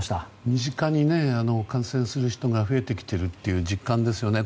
身近に感染する人が増えてきているという実感ですよね。